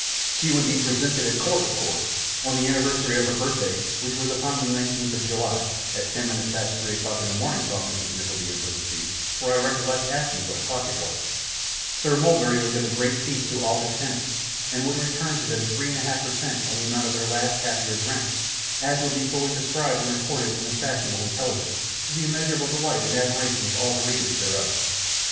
She would be presented at court, of course. On the anniversary of her birthday, which was upon the nineteenth of July ['at ten minutes past three o'clock in the morning,' thought Mrs. Nickleby in a parenthesis, 'for I recollect asking what o'clock it was'), Sir Mulberry would give a great feast to all his tenants, and would return them three and a half per cent on the amount of their last half year's rent, as would be fully described and recorded in the fashionable intelligence, to the immeasurable delight and admiration of all the readers thereof.